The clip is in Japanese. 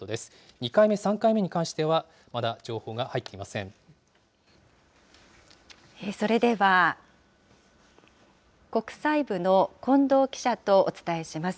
２回目、３回目に関しては、まだそれでは、国際部のこんどう記者とお伝えします。